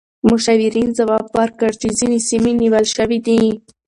مشاورین ځواب ورکړ چې ځینې سیمې نیول شوې دي.